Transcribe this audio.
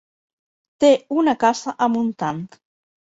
Té una casa a Montant.